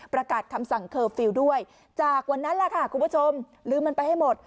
ประกาศคำสั่งเคอร์ฟิลล์ด้วยจากวันนั้นแหละค่ะคุณผู้ชมลืมมันไปให้หมด